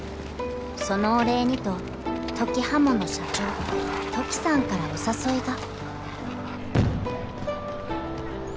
［そのお礼にと土岐刃物社長土岐さんからお誘いが］